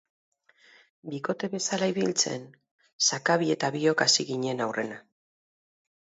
Bikote bezala ibiltzen Sakabi eta biok hasi ginen aurrena.